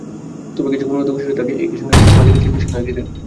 তবে কিছু গুণগত বৈশিষ্ট্য তাঁকে একই সঙ্গে মালিকির চেয়ে নিঃসন্দেহে এগিয়ে রাখবে।